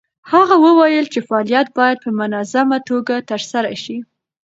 هغه وویل چې فعالیت باید په منظمه توګه ترسره شي.